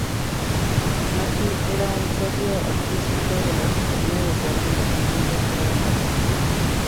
Mackay era un socio artístico de la compañía de teatro independiente "Cry Havoc".